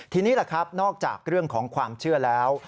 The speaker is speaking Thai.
ทีนี้แหละครับนอกจากเรื่องของความเชื่อแล้ว